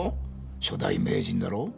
初代名人だろ？